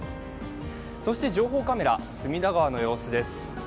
そして情報カメラ、隅田川の様子です。